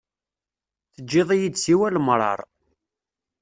Teǧǧiḍ-iyi-d siwa lemṛaṛ.